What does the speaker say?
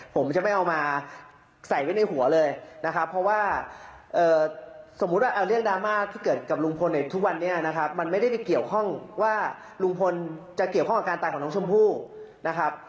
ผมจะไม่เอามาใส่ไว้ในหัวเลยนะครับเพราะว่าสมมุติว่าเรื่องดราม่าที่เกิดกับลุงพลในทุกวันนี้นะครับมันไม่ได้ไปเกี่ยวข้องว่าลุงพลจะเกี่ยวข้องกับการตายของน้องชมพู่นะครับ